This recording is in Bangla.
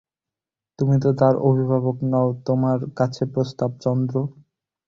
তুমি তো তাঁর অভিভাবক নও– তোমার কাছে প্রস্তাব– চন্দ্র।